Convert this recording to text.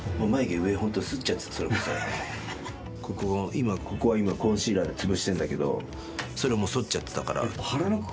ここ今ここは今コンシーラーで潰してるんだけどそういうのもう剃っちゃってたから。